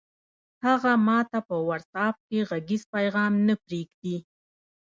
هغه ماته په وټس اپ کې غږیز پیغام نه پرېږدي!